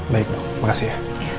baik dong makasih ya